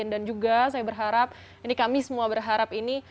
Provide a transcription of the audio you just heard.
dan juga saya berharap ini kami semua berharap ini